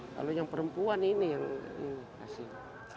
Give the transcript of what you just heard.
kalau yang perempuan ini yang asing